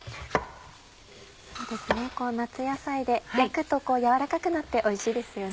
夏野菜で焼くと軟らかくなっておいしいですよね。